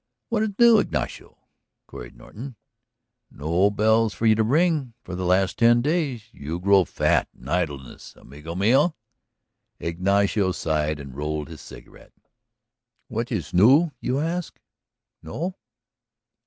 "What is new, Ignacio?" queried Norton, "No bells for you to ring for the last ten days! You grow fat in idleness, amigo mio." Ignacio sighed and rolled his cigarette. "What is new, you ask? No?